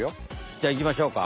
じゃいきましょうか！